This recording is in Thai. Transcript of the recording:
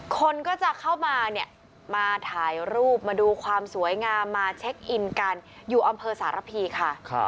คนก็จะเข้ามาเนี่ยมาถ่ายรูปมาดูความสวยงามมาเช็คอินกันอยู่อำเภอสารพีค่ะ